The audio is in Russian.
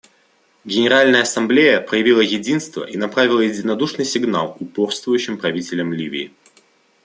Генеральная Ассамблея проявила единство и направила единодушный сигнал упорствующим правителям Ливии.